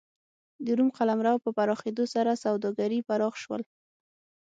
د روم قلمرو په پراخېدو سره سوداګري پراخ شول